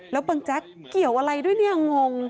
แล้วบังแจ๊กเกี่ยวอะไรด้วยเนี่ยงง